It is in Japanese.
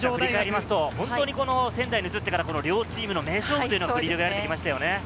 仙台に移ってから、両チームの名勝負が繰り広げられてきましたよ